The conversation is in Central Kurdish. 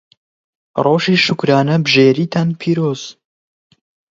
ڕۆژی شوکرانەبژێریتان پیرۆز.